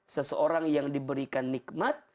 seseorang yang diberikan ni'mat